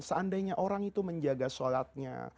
seandainya orang itu menjaga sholatnya